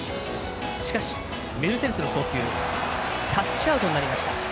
しかし、メルセデスの送球タッチアウトになりました。